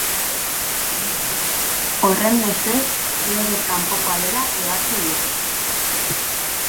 Horrenbestez, legez kanpokoa dela ebatzi dute.